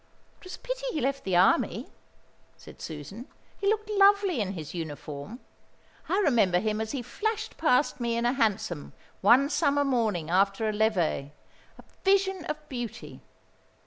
"It was a pity he left the Army," said Susan. "He looked lovely in his uniform. I remember him as he flashed past me in a hansom, one summer morning after a levée, a vision of beauty."